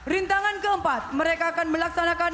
rintangan keempat mereka akan melaksanakan